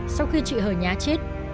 sau khi chị hờ nhá chết